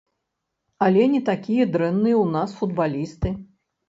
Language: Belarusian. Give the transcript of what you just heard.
Але не такія дрэнныя ў нас футбалісты.